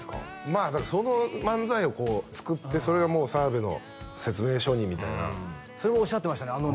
まあだからその漫才をこう作ってそれがもう澤部の説明書にみたいなそれおっしゃってましたね